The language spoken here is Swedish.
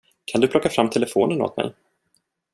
Kan du plocka fram telefonen åt mig?